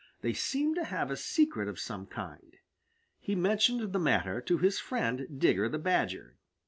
They seemed to have a secret of some kind. He mentioned the matter to his friend, Digger the Badger.